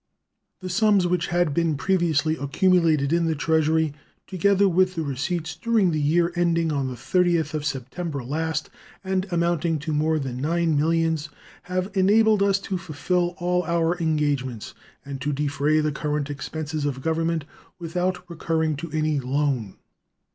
The sums which had been previously accumulated in the Treasury, together with the receipts during the year ending on the 30th of September last (and amounting to more than $9 millions), have enabled us to fulfill all our engagements and to defray the current expenses of Government without recurring to any loan.